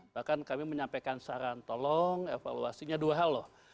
bahkan kami menyampaikan saran tolong evaluasinya dua hal loh